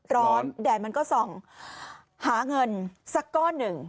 แดดมันก็ส่องหาเงินสักก้อนหนึ่ง